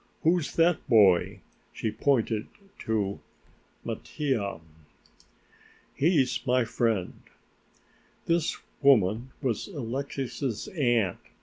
Who's that boy?" She pointed to Mattia. "He's my friend." This woman was Alexix's aunt.